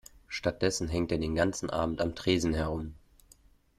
Stattdessen hängt er den ganzen Abend am Tresen herum.